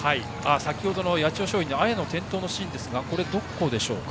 先程の八千代松陰の綾の転倒のシーンですがこれはどこでしょうか。